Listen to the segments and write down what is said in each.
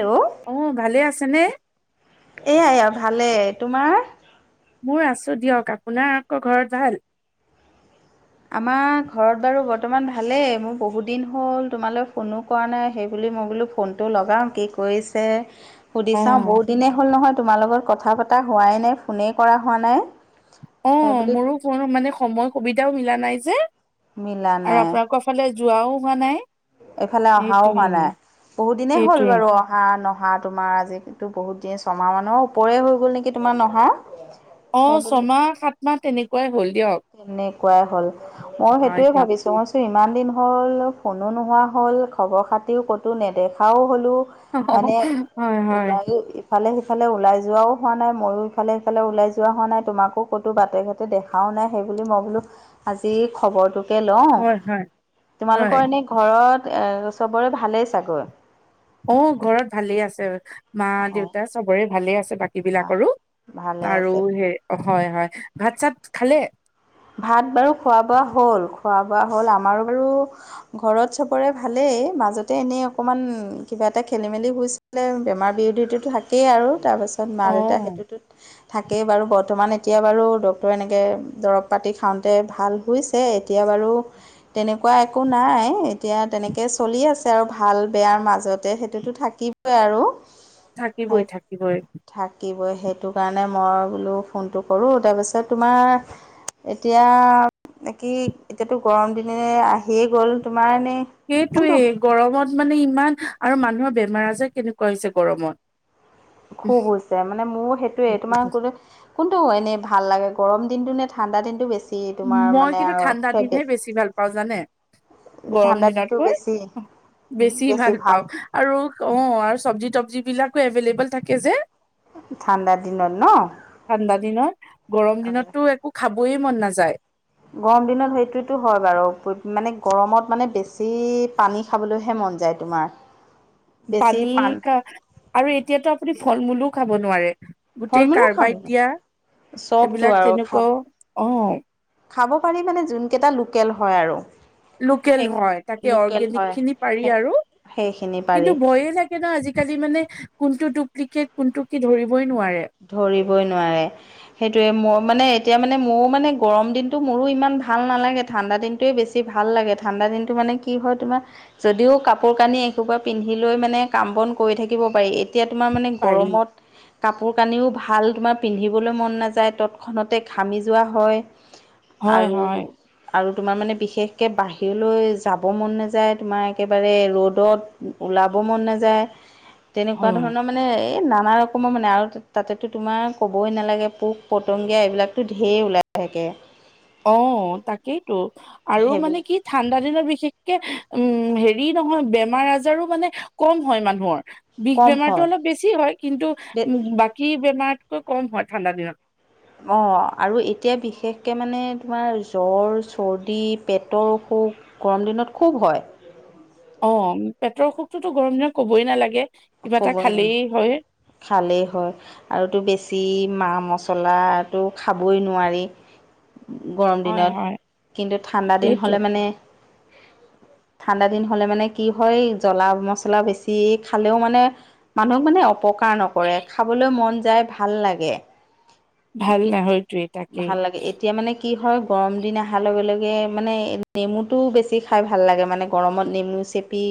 Hello অ ভালে আছেনে? এয়াই ভালে, তোমাৰ? মোৰ আছোঁ দিয়ক আপোনাৰ আকৌ ঘৰত ভাল? আমাৰ ঘৰত বাৰু বৰ্তমান ভালেই মোৰ বহুত দিন হ'ল তোমালৈ ফোনো কৰা নাই সেই বুলি মই বোলো ফোনটো লগাওঁ কি কৰিছে। সুধি চাওঁ অ', বহুত দিনেই হ'ল নহয় তোমাৰ লগত কথা পতা হোৱাই নাই ফোনেই কৰা হোৱা নাই। অ সেইবুলি মোৰো কোনো মানে সময় সুবিধাও মিলা নাই যে মিলা আৰু নাই। আপোনালোকৰ ফালে যোৱাও হোৱা নাই। এইফালে অহাও সেইটোৱে হোৱা নাই বহুত দিনেই হ'ল সেইটোৱে বাৰু অহা নহয়। আৰু তোমাৰ আজি বহুত দিন ছমাহ মানৰ ওপৰেই হৈ গ'ল নেকি তোমাৰ নহা অ ছমাহ সাত মাহ তেনেকোৱাই হ'ল। দিয়ক। তেনেকোৱাই হল মই হয় সেইটোয়ে দিয়ক। ভাবিছো মই চ ইমান দিন হ'ল ফোনো নোহোৱা হ'ল খবৰ খাতিও ক'তো নেদেখাও হ'ল মানে হয় হয় ওলাই ইফালে ইফালে ওলাই যোৱাও হোৱা নাই ময়ো ইফালে সিফালে ওলাই যোৱা হোৱা নাই তোমাকো ক'তো বাটে ঘাটে দেখাও নাই। সেইবুলি মই বোলো আজি খবৰটোকে লও হয় হয় হয় তোমালোকৰ এনে ঘৰত এ চবৰে ভালেই চাগৈ? অ ঘৰত ভালে আছে মা অঁ দেউতা চবৰে ভালে আছে। বাকী ভা বিলাকৰো ভালে আৰু আছে সে হয় হয় ভাত চাত খালে? ভাত বাৰু খোৱা বোৱা হ'ল খোৱা বোৱা হ'ল আমাৰো বাৰু ঘৰত চবৰে ভালেই। মাজতে এনেই অকণমান কিবা এটা খেলি মেলি হৈছিলে বেমাৰ বিৰোধীটো থাকেই আৰু তাৰপাছত মা দেউতা অ' সেইটোতত থাকেই বাৰু বৰ্তমান এতিয়া বাৰু ডক্টৰে এনেকে দৰৱ পাতি খাওঁতে ভাল হৈছে এতিয়া বাৰু তেনেকোৱা একো নাই এতিয়া তেনেকে চলি আছে আৰু ভাল বেয়াৰ মাজতে সেইটোতো থাকিবই আৰু থাকিবই থাকিবই থাকিবৈ সেইটো কাৰণে মই বোলো ফোনটো কৰোঁ তাৰপিছত তোমাৰ এতিয়া কি এতিয়াতো গৰম দিনে আহিয়ে গ'ল তমাৰ সেইটোৱে গৰমত মানে ইমান আৰু মানুহৰ বেমাৰ আজাৰ কেনেকোৱা হৈছে গৰমত সুখ হৈছে মানে মোৰ সেইটোয়ে তোমাৰ ক কোনটো এনেই ভাল লাগে। গৰম দিনটো নে ঠাণ্ড দিনটো বেছি? তোমাৰ মই মানে কিন্তু আৰু ঠাণ্ডা দিনহে ফেভৰেট বেছি ভাল পাওঁ, জানে? গৰম ঠাণ্ডা দিনটো দিনতকৈ বেছি বেছি ভাল পাওঁ আৰু অ আৰু চব্জি তবজি বিলাকো এভেইলেবল থাকে যে। ঠাণ্ডা দিনত ন ঠাণ্ডা দিনত গৰম দিনতটো একো খাব বৈ মন নাযায়। গৰম দিনত সেইটোতো হয় বাৰু মানে গৰমত মানে বেছি পানী খাবলৈহে মন যায় তোমাৰ বেছি পানী পান খা আৰু এতিয়াতো আপুনি ফল মূলো খাব নোৱাৰে। ফল গোটেই মূলো খাব কাৰ্বাই দিয়া চবতো এইবিলাক আৰু খাব তেনেকোৱাও অহ। খাব পাৰি মানে যোনকেইটা লোকেল হয় আৰু লোকেল সেই হয় তাকে লোকেল অৰ্গেনিক হয় খিনি পাৰি সেই আৰু সেইখিনি কিন্তু পাৰি ভয়ে লাগে ন আজিকালি মানে কোনটো ডুপ্লিকেট কোনটো কি ধৰিব ধৰিবই নোৱাৰে সেইটোয়ে মই মানে এতিয়া মানে মোৰও মানে গৰম দিনতটো মোৰো ইমান ভাল নালাগে ঠাণ্ডা দিনটোয়ে বেছি ভাল লাগে ঠাণ্ডা দিনটো মানে কি হয় তোমাৰ যদিও কাপোৰ কানি এঘোবা পিন্ধি লৈ মানে কাম বন কৰি থাকিব পাৰি। এতিয়া তোমাৰ মানে পাৰি। গৰমত কাম পানীও ভাল তোমাৰ পিন্ধিবলৈ মন নাযায় তৎক্ষণতে ঘামি যোৱা হয়। হয় আৰু হয় আৰু তোমাৰ মানে বিশেষকে বাহিৰলৈ যাব মন নাযায় তোমাৰ একেবাৰে ৰ'দত ওলাব মন নাযায় তেনেকুৱা হয় ধৰণৰ মানে এই নানা ৰকমৰ মানে আৰু তাতেতো তোমাৰ ক'বই নালাগে পোক পতংগীয়া এইবিলাকতো ঢেৰ ওলাই থাকে। অ তাকেইতো আৰু সেইবিলাক মানে কি ঠাণ্ডা দিনত বিশেষ কে উম হেৰি নহয় বেমাৰ আজাৰো মানে কম হয় মানুহৰ বিষ কম বেমাৰতটো হয় অলপ বেছি হয় কিন্তু উ বাকী বেমাৰতকৈ কম হয় ঠাণ্ডা দিনত। অ আৰু এতিয়া বিশেষকে মানে তোমাৰ জ্বৰ চৰ্দি পেটৰ অসুখ গৰম দিনত খুব হয়। অ পেটৰ অসুখটোতো গৰম দিনত কবই নালাগে কিবা এটা ক'ব নোৱাৰি খালেই হয় খালেই হয় আৰুতো বেছি মা মছলাটো খাবই নোৱাৰি গৰম হয় দিনত হয় কিন্তু ঠাণ্ডা দিন সেইটোৱে হ'লে মানে ঠাণ্ডা দিন হলে মানে কি হয় জ্বলা মছলা বেছি খালেও মানে মানুহক মানে অপকাৰ নকৰে খাবলৈ মন যায় ভাল লাগে। ভাল কিন্তু নহয় সেইটোৱে তাকেই ভাল লাগে এতিয়া মানে কি কি হয় গৰম দিন অহাৰ লগে লগে মানে নেমুটো বেছি খাই ভাল লাগে মানে গৰমত নেমু চেপি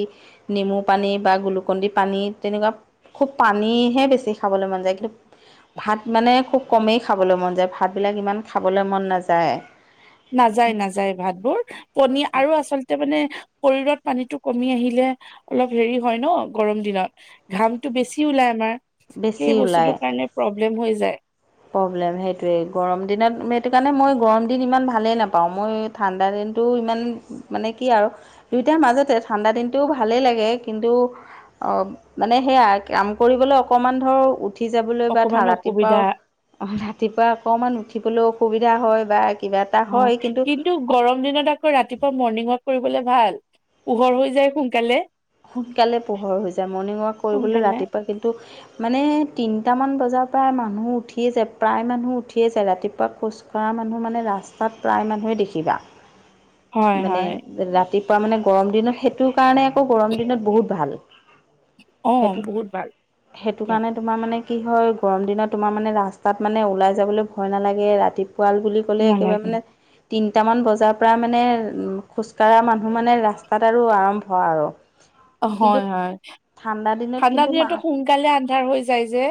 নেমু পানী বা গ কন্দি পানী তেনেকুৱা খুব পানীহে বেছি খাবলৈ মন যায় কিন্তু। ভাত মানে খুব কমেই খাবলৈ মন যায়, ভাতবিলাক ইমান খাবলৈ মন নাযায়। নাযায় নাযায় ভাতবোৰ পনীৰ আৰু আচলতে মানে। শৰীৰত পানীটো কমি আহিলে অলপ হেৰি হয় ন গৰম দিনত ঘামটো বেছি ওলাই আমাৰ। বেছি সেই ওলায় বস্তুটোৰ কাৰণে প্ৰব্লেম হৈ যায়। প্ৰব্লেম সেইটোৱেই গৰম দিনত সেইটো কাৰণে মই গৰম দিন ইমান ভালেই নাপাওঁ মই ঠাণ্ডা দিনটো। ইমান মানে কি আৰু দুইটাৰ মাজতে ঠাণ্ডা দিনটো ভালেই লাগে কিন্তু। অ মানে সেয়া কাম কৰিবলৈ অকমান ধৰ উঠি যাবলৈ বা অকমান অসুবিধা ৰাতিপুৱাও। ৰাতিপুৱা অকণমান উঠিবলৈ অসুবিধা হয় বা। হয় কিন্তু গৰম দিনত আকৌ ৰাতিপুৱা মৰ্ণিঙত। কৰিবলে ভাল পোহৰ হৈ যায় সোনকালে। সোনকালে পোহৰ হৈ যায় মৰ্ণিং ৱাক কৰিবলৈ সোনকালে ৰাতিপুৱা কিন্তু মানে তিন। টামান বজাৰ পৰা মানুহ উঠিয়ে যায় প্ৰায় মানুহ উঠিয়ে যায় ৰাতিপুৱা খোজকঢ়া মানুহ মানে ৰাস্তা। প্ৰায় মানুহে দেখিবা। হয় মানে হয় ৰাতিপুৱা মানে গৰম দিনত সেইটো কাৰণে আকৌ গৰম দিনত বহুত ভাল। অ সেইটো বহুত ভাল সেইটো দিয়ক কাৰণে তোমাৰ মানে। কি হয় গৰম দিনত তোমাৰ মানে ৰাস্তাত মানে ওলাই যাবলৈ ভয় নালাগে ৰাতি। পুৱাল বুলি ক'লে একেবাৰে নালাগে মানে তিনটা মান বজাৰ পৰা মানে। উম খোজ কাঢ়া মানুহ মানে ৰাস্তাত আৰু আৰম্ভ আৰু। কিন্তু হয় হয় ঠাণ্ডা দিনত ঠাণ্ডা কিন্তু মা দিনতো সোনকালে আন্ধাৰ হৈ যায় যে।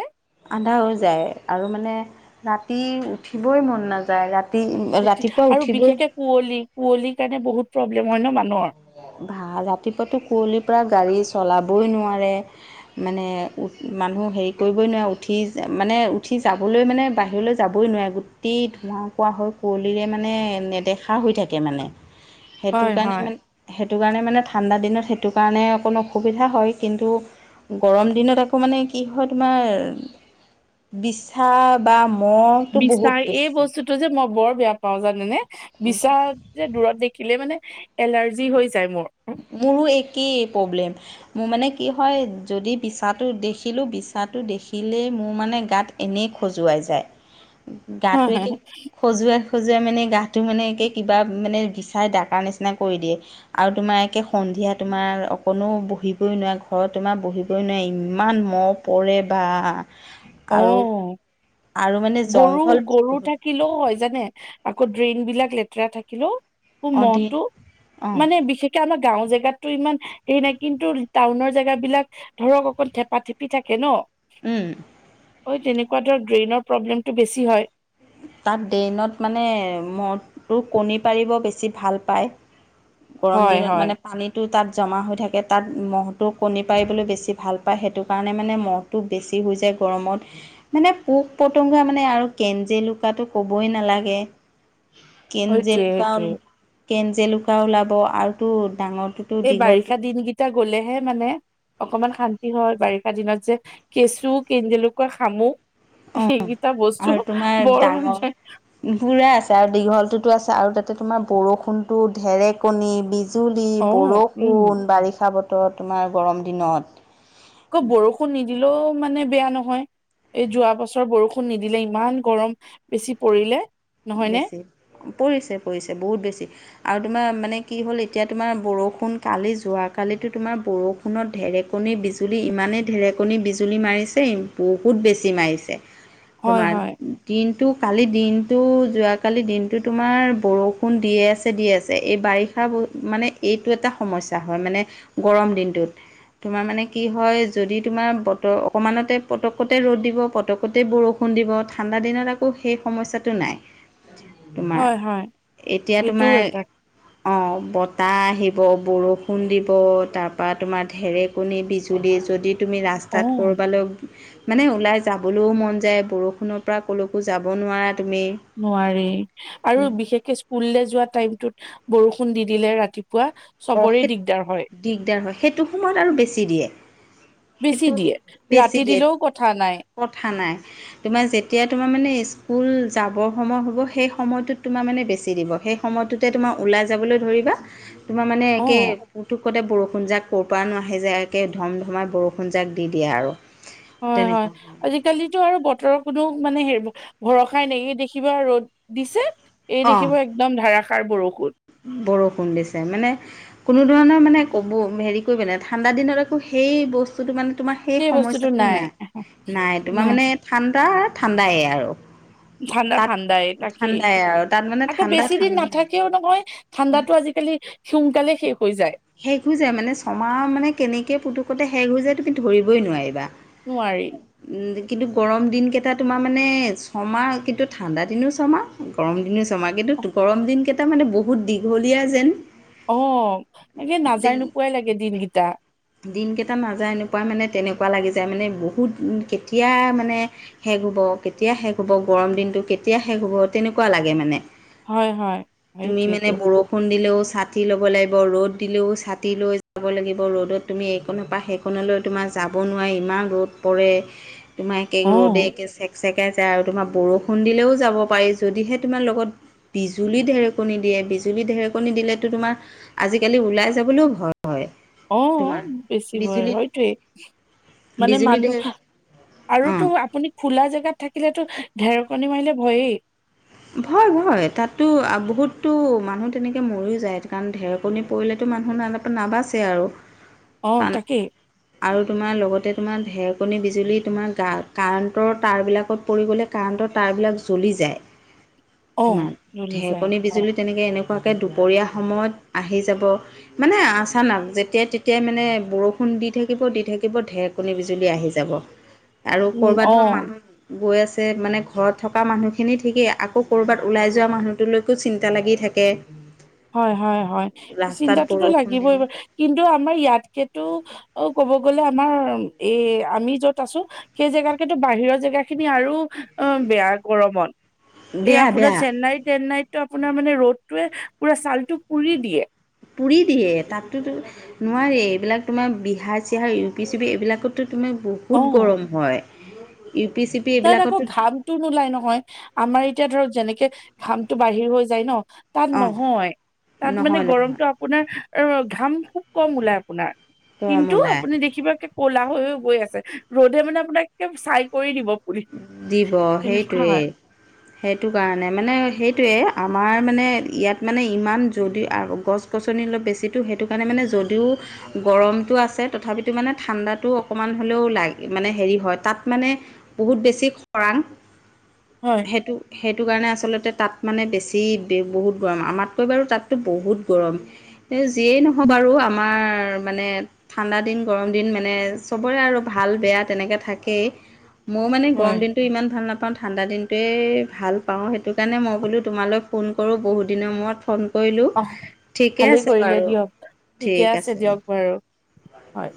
আন্ধাৰ হৈ যায় আৰু মানে ৰাতি উঠিবই মন নাযায় ৰাতি। উঠি ৰাতিপুৱা আৰু উঠিবই বিশেষকে কুঁৱলী কুঁৱলিৰ কাৰণে বহুত প্ৰব্লেম হয় ন মানুহৰ। ভা ৰাতিপুৱাতো কুঁৱলীৰ পৰা গাড়ী চলাবই নোৱাৰে মানে। মানুহ হেৰি কৰিবই নোৱাৰে উঠি মানে উঠি যাবলৈ মানে বাহিৰলৈ যাবই নোৱাৰে গোটেই। ধোৱা কোৱা হয় কুঁৱলীৰে মানে নেদেখা হৈ থাকে মানে হয় সেইটো হয় কাৰণে মানে। সেইটো কাৰণে মানে ঠাণ্ডা দিনত সেইটো কাৰণে অকণ অসুবিধা হয় কিন্তু। গৰম দিনত আকৌ মানে কি হয় তোমাৰ বিচা বা। মহটো বিচা বহুত এই বেছি বস্তুতটো যে মই বৰ। বেয়া পাওঁ জানে নে বিচা যে দূৰত দেখিলে মানে এলাৰ্জি হৈ যায় মোৰ। মোৰো একেই প্ৰব্লেম মোৰ মানে। কি হয় যদি বিছাটো দেখিলোঁ বিছাটো দেখিলেই মোৰ মানে গাত এনেই খজুৱাই। যায় গাটো এতিয়া খজুৱাই। খজুৱাই মানে গাটো মানে একে কিবা মানে বিচাই ডাকাৰ নিচিনা কৰি দিয়ে আৰু। তোমাৰ একে সন্ধিয়া তোমাৰ অকণো বহিবই নোৱাৰে ঘৰত তোমাৰ বহিবই নোৱাৰে ইমান মহ। পৰে বা অ আৰু। আৰু মানে গৰু জংঘল গৰু বহুত থাকিলেও হয় জানে। আকৌ ড্ৰেইন বিলাক লেতেৰা থাকিলেও অঁ দি মহটো অঁ মানে বিশেষকে আমাক। গাঁওৰ জেগাতো ইমান হেৰি নাই কিন্তু টাউনৰ জেগা বিলাক ধৰক অকন থেপা থেপি থাকে ন। উম। ঐ তেনেকুৱা ধৰ গ্ৰেইনৰ প্ৰব্লেমটো বেছি হয়। তাত ড্ৰেইনত মানে মদটো কণী পাৰিব বেছি ভাল পায়। গৰম হয় দিনত হয় মানে পানীতটো তাত। জমা হৈ থাকে তাত মহটো কণী পাৰিবলৈ বেছি ভাল পায় সেইটো কাৰণে মানে মহটো বেছি হৈ যায়। গৰমত মানে পোক পতংগা মানে আৰু কেনজেলু। কাটো ক'বই নালাগে কেনজেল সেইটোৱে কান। সেইটোৱে কেন জেলুকা ওলাব আৰুতো ডাঙ। এই বাৰিষা দিনকেইটা গলেহে মানে। অকমান শান্তি হয় বাৰিষা দিনত যে কেঁচু কে জেলুকৈ খামুক। অ আৰু তোমাৰ বৰ মানে ডাঙৰ বুৰা আছে আৰু দীঘলটোতো আছ। আৰু তাতে তোমাৰ বৰষুণতো ঢেৰেকণি বি। জুলি অ উম বৰষুণ বাৰিষা বতৰ তোমাৰ গৰম দিনত। কৌ বৰষুণ নিদিলেও মানে বেয়া নহয়। এই যোৱা বছৰ বৰষুণ নিদিলে ইমান গৰম বেছি পৰিলে। নহয়নে বেছি পৰিছে পৰিছে বহুত বেছি আ। তোমাৰ মানে কি হ'ল এতিয়া তোমাৰ বৰষুণ কালি যোৱাকালিতো তোমাৰ বৰষুণত ঢেৰেকণী বিজুলী ইমানেই ঢেৰেকনি বিজুলুলি মাৰিছে বহুত বেছি মাৰিছে। হয় তোমাৰ হয় দিনটো কালি দিন টো যোৱাকালি দিনটো তোমাৰ বৰষুণ দিয়ে আছে দিয়ে আছে এই বাৰিষা মানে। এইটো এটা সমস্যা হয় মানে গৰম দিনটোত। তোমাৰ মানে কি হয় যদি তোমাৰ বতৰ অকমানতে- পতকতে ৰ'দ দিব পতককতে বৰষুণ দিব ঠাণ্ডা দিনত আকৌ সেই সমস্যাটো নাই। তোমাৰ হয় হয় এতিয়া সেইটোও তোমাৰ এটা অ বতাহ আহি- ব বৰষুণ দিব তাৰপৰা তোমাৰ ঢেৰেকণী বিজুলী যদি তুমি অ ৰাস্তাত কৰবালৈ মানে ওলাই যাবলৈও মন যায় বৰষুণৰ পৰা ক'লৈকো যাব নোৱাৰাত। নোৱাৰি আৰু বিশেষকে স্কুললৈ যোৱা টাইমতত বৰষুণ দি দিলে ৰাতি অ হে দিগদাৰ হয় সেইটো সময়ত আৰু বেছি দিয়ে। বেছি সেইটো দিয়ে বেছি ৰাতি দিয়ে দিলেও কথা নাই কথা নাই। তোমাৰ যেতিয়া তোমাৰ মানে স্কুল যাবৰ সময় হ'ব সেই সময়টোত তোমাৰ মানে বেছি দিব। সেই সময়টোতে তোমাৰ ওলাই যাবলৈ ধৰিবা তোমাৰ মানে একে অ কাপোৰটো। কতে বৰষুণ যাক ক'ৰ পৰা নো আহি যায় একে ধম ধমাই বৰষুণ যাক দি দিয়ে আৰু হয় হয় আজিকালি টো আৰু বতৰৰ কোনো মানে হেৰি ভৰসাই নাই হে দেখিবা ৰ'দ দিছে। এই অ দেখিবা একদম ধাৰষাৰ বৰষুণ। বৰষুণ দিছে মানে কোনো ধৰণৰ মানে ক'ব হেৰি কৰিব নে ঠাণ্ডা দিনত আকৌ সে সেই বস্তুতটো মানে তোমাৰ সেই সমস্যাটো নাই নাই তোমাৰ মানে ঠাণ্ডা ঠাণ্ডায় আৰু ঠাণ্ডা তাত ঠাণ্ডাই তাকেই ঠাণ্ডাই আৰু তাত মানে আকৌ ঠাণ্ডা বেছি দিন ঠাণ্ডাই নাথাকেও নহয়। ঠাণ্ডাতো আজিকালি সোনকালে শেষ। হৈ যায় শেষ হৈ যায় মানে ছমাহ মানে কেনেকে পুতুকতে শেষ হৈ যায় তুমি ধৰিবই নোৱাৰিবা। নোৱাৰি। উম, কিন্তু গৰম দিনকেইটা তোমাৰ মানে ছমাহ কিন্তু ঠাণ্ডা দিনো ছমাহ গৰম দিনো ছমাহ কিন তো গৰম দিন কেইটা মানে বহুত দীঘলীয়া যেন। অ একে নাজায় তেনে নোপোৱাই লাগে দিনকেইটা। দিনকেইটা নাযায় এনেকুৱাই মানে তেনেকুৱা লাগি যায় মানে বহুত কেতিয়া মানে শেষ হ'ব। কেতিয়া শেষ হ'ব গৰম দিনটো কেতিয়া শেষ হ'ব তেনেকুৱা লাগে মানে। হয় হয় তুমি মানে সেইটোৱেইটো বৰষুণ দিলেও চাতি ল'ব লাগিব। ৰদ দিলেও ছাতি লৈ যাব লাগিব ৰ'দত তুমি এইকনৰ পৰা সেইকনলৈ তোমাৰ যাব নোৱাৰি ইমান ই ৰ'দ পৰে তোম অ ৰ'দে চেক চেকে যায় আৰু তোমাৰ বৰষুণ দিলেও যাব পাৰি যদিহে তোমাৰ লগত বিজুলী ঢেৰেকণী দিয়ে। বিজুলী ঢেৰেকনি দিলেতো তোমাৰ আজিকালি ওলাই যাবলৈও ভয়। হয় অ তোমাৰ বেছি হযয় বিজুলী সেইতোৱেই মানে বিজুলী ঢেৰ মানুহ আৰুতো অঁ আপুনি খোলা জেগাত থাকিলেতো ঢেৰকনি মাৰিলে ভয়েই ভয় ভয় তাতো বহুততো মানুহ তেনেকে মৰিও যায় কাৰণ ঢেৰকণী পৰিলেতো মানুহ ন নাবাচে আৰু অ কণ তাকেই আৰু তোমাৰ লগতে তোমাৰ ঢেৰকণী বিজুলী তোমাৰ গাত কাৰেণ্টৰ তাঁৰবিলাকত পৰি গ'লে কাৰেণ্টৰ তাঁৰবিলাক জ্বলি যায়। অ', তোমাৰ জ্বলি যায় ঢেকণী হয়, বিজুলী তেনেকে এনেক দুপৰীয়া সময়ত আহি যাব মানে আচান যেতিয়া তেতিয়া মানে বৰষুণ দি থাকিব দি থাকিব ঢেৰকণী বিজুলী আহি যাব। আৰু উম, ক'ৰবাত ধৰ অ', মানুহ গৈ আছে মানে ঘৰত থকা মানুহখিনি ঠিকে আকৌ ক'ৰবাত ওলাই যোৱা মানুহটোলৈকো চিন্তা লাগি থাকে। হয় হয় হয় ৰাস্তাত চিন্তাটোতো বৰষুণ লাগিবই দিলে বাৰ কিন্তু আমাৰ ইয়াতকেতো অ ক'ব গ'লে আমাৰ এ আমি যত আছো, সেই জেগাতকেতো বাহিৰৰ জেগা খিনি আৰু অ বেয়া গৰমত এই বেয়া আপোনাৰ বেয়া চেন্নাই তেন্নাইত আপোনাৰ মানে ৰ'দটোৱে পুৰা ছাল টো পুৰি দিয়ে। পুৰি দিয়ে তাততোতো নোৱাৰে এইবিলাক তোমাৰ বিহাৰ চিহাৰ ইউ পি চি প এইবিলাকতো তমে বহুত অ', গৰম হয়। ইউ পি চি পি তাত আকৌ এইবিলাকতো ঘামটো নোলাই নহয় আমাৰ এতিয়া ধৰক যেনেকে ঘামটো বাহিৰ হৈ যায় ন তাত অঁ নহয় তাত মানে নহয় নহয় গৰমতটো আপোনাৰ অ ঘাম খুব কম ওলাই আপোনাৰ গৰম কিন্তু ওলায় আপুনি দেখিবা কলা হৈয় গৈ আছে ৰ'দে মানে আপোনাক চাই কৰি দিব। পুলি দিব তেনেকুৱা সেইটোৱেই হয় সেইটো কাৰণে মানে স সেইটোৱে আমাৰ মানে ইয়াত মানে ইমান যদি গছ গছনি অলপ বেছি সণে যদিও গৰমটো আছে তথাপিতো মানে ঠাণ্ডাটো অকণমান হ'লেও লাগ মানে হেৰি হয় তাত তাত মানে বহুত বেছি খৰাং হয় সেইটো সেইটো কাৰণে আচলতে তাত মানে বেছি বহুত গৰম আমাতকৈ বাৰু তাততো বহুত গৰম এই যিয়েই নহয় বাৰু আমাৰ মানে ঠাণ্ডা দিন গৰম দিন মানে চবৰে আৰু ভাল বেয়া তেনেকে থাকেই মই মানে গৰম হয় দিনতটো ইমান ভাল নাপাওঁ ঠাণ্ডা দিন টোৱেই ভাল পাওঁ সেইটো কাৰণে মই বোলো তোমালৈ ফোন কৰোঁ, বহুত দিনৰ মূৰত ফোন কৰিলোঁ আহ ঠিকে ভালেই আছে কৰিলে বাৰু দিয়ক, ঠিকে আছে দিয়ক বাৰু হয়